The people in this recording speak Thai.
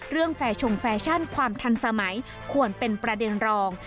แฟร์ชงแฟชั่นความทันสมัยควรเป็นประเด็นรอง